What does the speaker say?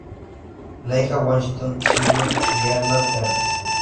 La hija de Washington Shirley, y Earl Ferrers.